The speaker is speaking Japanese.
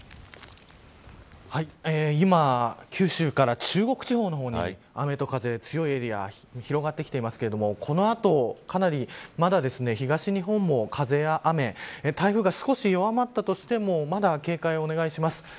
今、九州から中国地方の方に雨と風、強いエリアが広がってきていますけれどもこの後、かなりまだ東日本も風や雨台風が少し弱まったとしてもまだ警戒をお願いします。